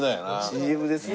ＣＭですね。